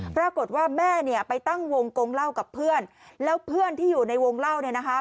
ปรากฏว่าแม่ไปตั้งวงกงเล่ากับเพื่อนแล้วเพื่อนที่อยู่ในวงเล่า